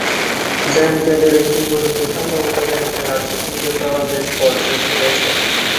জয়ন্তীয়া দেবীর কিংবদন্তি সম্ভবত জয়ন্তীয়া রাজ্যে হিন্দু প্রভাবের পর সৃষ্টি হয়েছে।